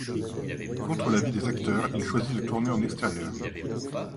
Contre l'avis des acteurs, il choisit de tourner en extérieur.